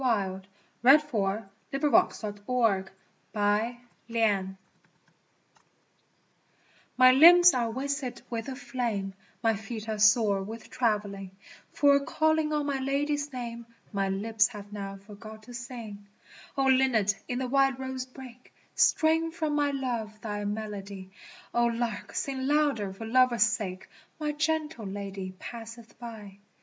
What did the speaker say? [no] LA BELLA DONNA DELIA MIA MENTE MY limbs are wasted with a flame, My feet are sore with traveling, For calling on my Lady's name My lips have now forgot to sing. O Linnet in the wild rose brake Strain for my Love thy melody, O Lark sing louder for love's sake, My gentle Lady passeth by.